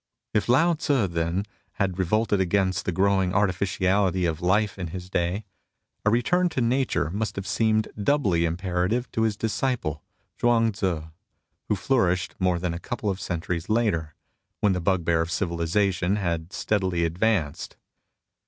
If Lao Tzu then had revolted against the growing artificiality of life in his day, a return to nature must have seemed doubly imperative to his disciple Chuang Tzii, who flourished more than a couple of centuries later, when the bugbear of civilisation had steadily advanced.